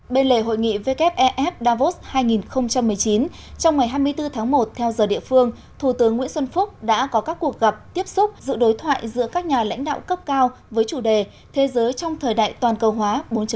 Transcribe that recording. bên lề hội nghị wfef davos hai nghìn một mươi chín trong ngày hai mươi bốn tháng một theo giờ địa phương thủ tướng nguyễn xuân phúc đã có các cuộc gặp tiếp xúc dự đối thoại giữa các nhà lãnh đạo cấp cao với chủ đề thế giới trong thời đại toàn cầu hóa bốn